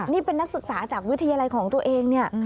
นี่เป็นนักศึกษาจากวิทยาลัยของตัวเองเนี่ย